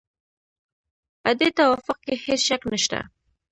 په دې توافق کې هېڅ شک نشته.